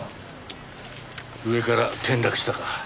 上から転落したか。